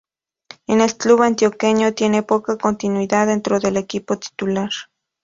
En el club antioqueño tiene poca continuidad dentro del equipo titular.